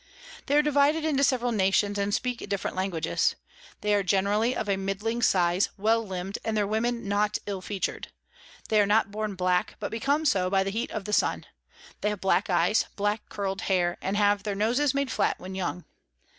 They are divided into several Nations, and speak different Languages. They are generally of a middling Size, well limb'd, and their Women not ill featur'd. They are not born black, but become so by the Heat of the Sun. They have black Eyes, black curl'd Hair, and have their Noses made flat when young.